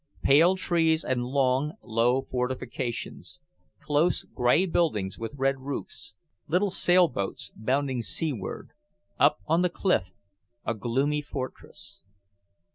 Pale trees and long, low fortifications... close grey buildings with red roofs... little sailboats bounding seaward... up on the cliff a gloomy fortress.